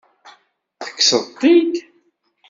Tekkseḍ-t-id?